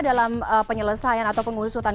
dalam penyelesaian atau pengusutan